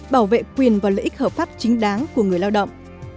bảo vệ quyền và lợi ích hợp pháp chính đáng của người lao động